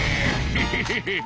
ヘヘヘヘ！